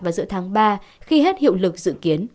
vào giữa tháng ba khi hết hiệu lực dự kiến